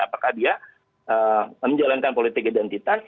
apakah dia menjalankan politik identitas